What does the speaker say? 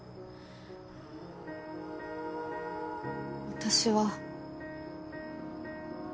私は。